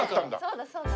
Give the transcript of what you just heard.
そうだそうだ。